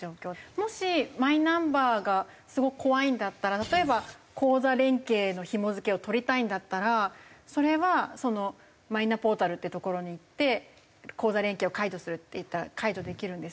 もしマイナンバーがすごく怖いんだったら例えば口座連携のひも付けを取りたいんだったらそれはマイナポータルっていうところにいって口座連携を解除するっていったら解除できるんですね。